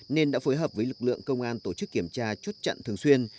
nên đã phối hợp với lực lượng công an tổ chức kiểm tra chốt chặn thường xuyên